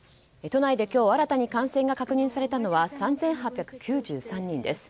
都内で今日新たに感染が確認されたのは３８９３人です。